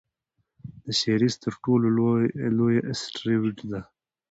د سیریز تر ټولو لویه اسټرويډ ده.